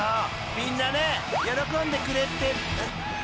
みんなね喜んでくれて］